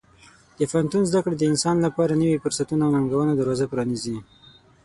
د پوهنتون زده کړې د انسان لپاره د نوي فرصتونو او ننګونو دروازه پرانیزي.